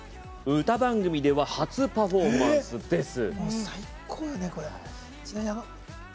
歌番組では初パフォーマンスです